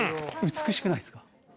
美しくないですか。